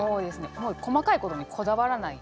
もう細かいことにこだわらない。